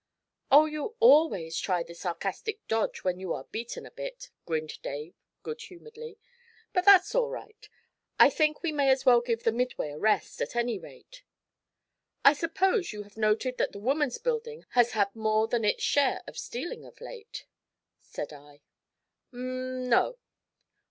'Oh, you always try the sarcastic dodge when you are beaten a bit,' grinned Dave good humouredly; 'but that's all right. I think we may as well give the Midway a rest, at any rate.' 'I suppose you have noted that the Woman's Building has had more than its share of stealing of late?' said I. ''M no.'